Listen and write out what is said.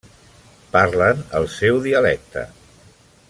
Parlen el seu dialecte.